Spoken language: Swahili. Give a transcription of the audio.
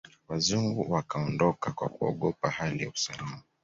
Wazungu wakaondoka kwa kuogopa hali ya usalama